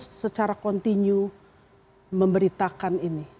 secara kontinu memberitakan ini